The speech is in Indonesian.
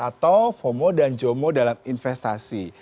atau fomo dan jomo dalam investasi